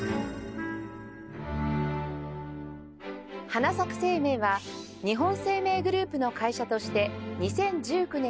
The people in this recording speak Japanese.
はなさく生命は日本生命グループの会社として２０１９年に開業